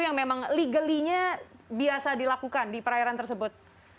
yang memang legaly nya biasa dilakukan di perairan tersebut